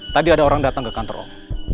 tadi ada orang datang ke kantor off